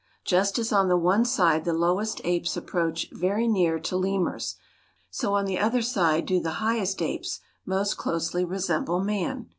Just as on the one side the lowest apes approach very near to lemurs, so on the other side do the highest apes most closely resemble man.